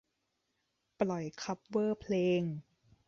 ปล่อยคัฟเวอร์เพลง